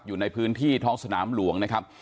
อยู่ในพื้นที่ท้องสนามหลวงนะครับ